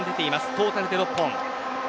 トータルで６本。